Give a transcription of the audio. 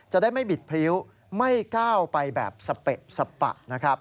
จะได้ไม่บิดพริ้วไม่ก้าวไปแบบสเปะสปะนะครับ